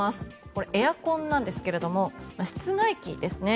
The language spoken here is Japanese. これ、エアコンなんですが室外機ですね。